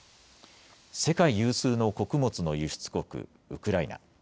世界有数の穀物の輸出国、ウクライナ。